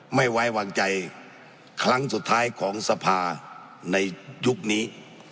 ไม่ไว้วางใจครั้งสุดท้ายของสภาในยุคนี้